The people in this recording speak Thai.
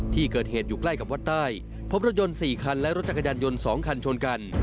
ที่เกิดเหตุอยู่ใกล้กับวัดใต้พบรถยนต์๔คันและรถจักรยานยนต์๒คันชนกัน